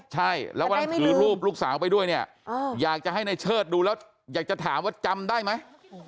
ใช่แล้ววันนั้นถือรูปลูกสาวไปด้วยเนี่ยอยากจะให้ในเชิดดูแล้วอยากจะถามว่าจำได้ไหม